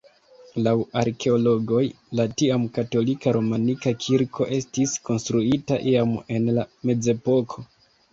Laŭ arkeologoj la tiam katolika romanika kirko estis konstruita iam en la mezepoko.